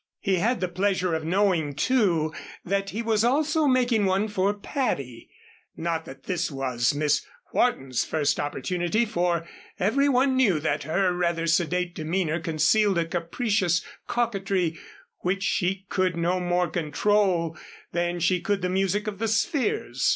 He had the pleasure of knowing, too, that he was also making one for Patty not that this was Miss Wharton's first opportunity, for everyone knew that her rather sedate demeanor concealed a capricious coquetry which she could no more control than she could the music of the spheres.